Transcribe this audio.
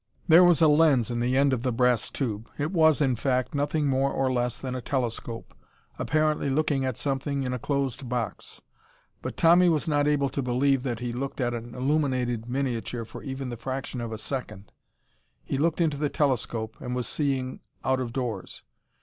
There was a lens in the end of the brass tube. It was, in fact, nothing more or less than a telescope, apparently looking at something in a closed box. But Tommy was not able to believe that he looked at an illuminated miniature for even the fraction of a second. He looked into the telescope, and he was seeing out of doors.